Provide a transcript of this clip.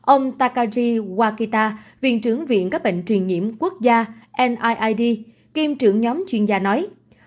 ông takaji wakita viện trưởng viện các bệnh truyền nhiễm quốc gia niid kiêm trưởng nhóm chuyên gia nói